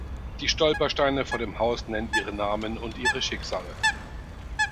Die Stolpersteine vor dem Haus nennen ihre Namen und ihre Schicksale.